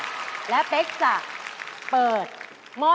อ๋อนี่คือร้านเดียวกันเหรออ๋อนี่คือร้านเดียวกันเหรอ